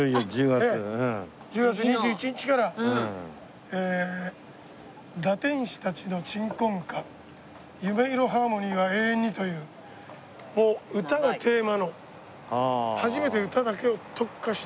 １０月２１日から『堕天使たちの鎮魂歌夢色ハーモニーは永遠に』という歌がテーマの初めて歌だけに特化して歌だけに。